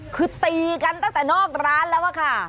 คือตีกันตั้งแต่นอกร้านแล้วอะค่ะ